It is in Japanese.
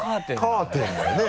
カーテンだよね。